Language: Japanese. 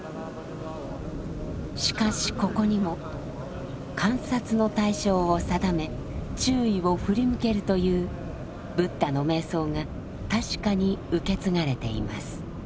しかしここにも観察の対象を定め注意を振り向けるというブッダの瞑想が確かに受け継がれています。